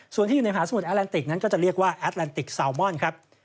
ส่วนที่อยู่ในผาสมุทรแอลติกนั้นก็จะเรียกว่าแอดแลนติกซาวมอนครับ